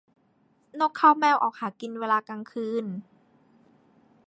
นกเค้าแมวออกหากินเวลากลางคืน